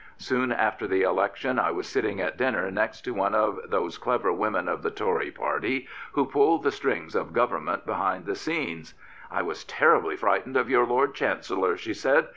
Soon after the election I was sitting at dinner next to one of those clever women of the Tory Party who pull the strings of Government behind the scenes. " I was terribly frightened of your Lord Chancellor," she said.